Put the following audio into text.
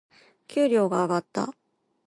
給料が上がった。